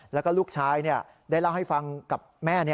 แล้วก็ลูกชายได้เล่าให้ฟังกับแม่